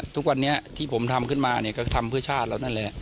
ทุกวันนี้ที่ผมทำขึ้นมาเนี่ยก็ทำเพื่อชาติเรานั่นแหละ